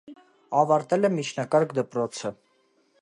Ավարտել է միջնակարգ դպրոցը։